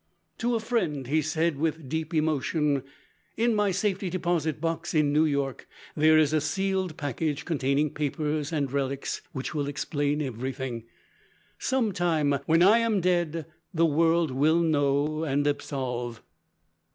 To a friend, he said, with deep emotion: "In my safety deposit box in New York there is a sealed package, containing papers and relics which will explain everything. Sometime, when I am dead, the world will know and absolve."